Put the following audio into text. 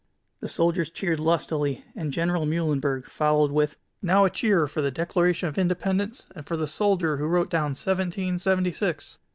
The soldiers cheered lustily, and General Mühlenberg followed with: "Now a cheer for the Declaration of Independence and for the soldier who wrote down 'Seventeen seventy six.'"